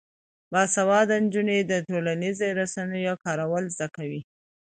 باسواده نجونې د ټولنیزو رسنیو کارول زده کوي.